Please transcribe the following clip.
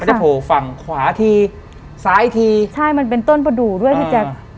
จะโผล่ฝั่งขวาทีซ้ายทีใช่มันเป็นต้นประดูกด้วยพี่แจ๊ค